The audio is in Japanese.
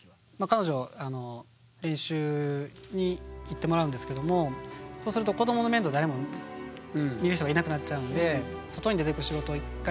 彼女練習に行ってもらうんですけどもそうすると子どもの面倒誰も見る人がいなくなっちゃうんでえっ？